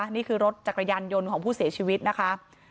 นี่คือรถจักรยานยนต์ของผู้เสียชีวิตนะคะ